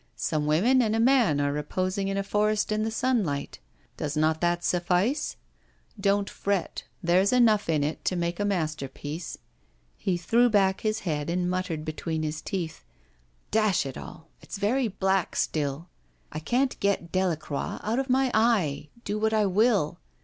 Some women and a man are reposing in a forest in the sunlight. Does not that suffice? Don't fret, there's enough in it to make a masterpiece.' He threw back his head and muttered between his teeth: 'Dash it all! it's very black still. I can't get Delacroix out of my eye, do what I will.